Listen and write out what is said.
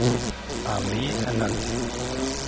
Armee ernannt.